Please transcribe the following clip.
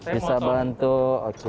bisa bantu oke